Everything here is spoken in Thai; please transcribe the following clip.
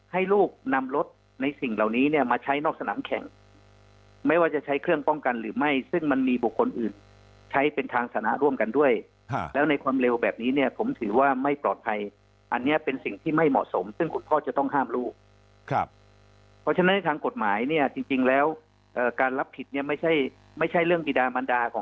ให้ลูกนำรถในสิ่งเหล่านี้เนี่ยมาใช้นอกสนามแข่งไม่ว่าจะใช้เครื่องป้องกันหรือไม่ซึ่งมันมีบุคคลอื่นใช้เป็นทางสนะร่วมกันด้วยแล้วในความเร็วแบบนี้เนี่ยผมถือว่าไม่ปลอดภัยอันนี้เป็นสิ่งที่ไม่เหมาะสมซึ่งคุณพ่อจะต้องห้ามลูกครับเพราะฉะนั้นในทางกฎหมายเนี่ยจริงแล้วการรับผิดเนี่ยไม่ใช่ไม่ใช่เรื่องบีดามันดาของ